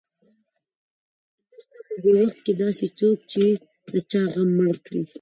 نشته په دې وخت کې داسې څوک چې د چا غم مړ کړي